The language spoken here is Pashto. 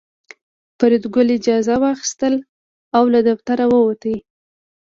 فریدګل اجازه واخیسته او له دفتر څخه ووت